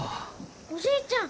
おじいちゃん！